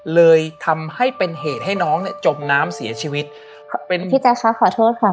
เลยทำให้เป็นเหตุให้น้องเนี้ยจมน้ำเสียชีวิตครับเป็นพี่แจ๊คค่ะขอโทษค่ะ